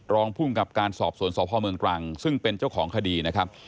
รองภูมิกับการสอบสวนสพเมืองตรังซึ่งเป็นเจ้าของคดีนะครับ